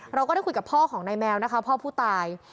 เราก็ได้คุยกับพ่อของนายแมวนะคะพ่อผู้ตาย